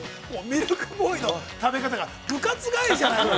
ミルクボーイの食べ方が部活帰りじゃない。